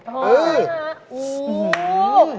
โอ้โฮ